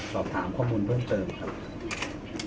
สอบถามข้อมูลเพิ่มเติมครับ